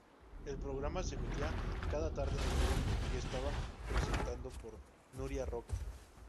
El programa se emitía cada tarde en directo y estaba presentado por Nuria Roca.